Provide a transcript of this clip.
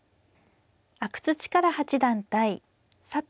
阿久津主税八段対佐藤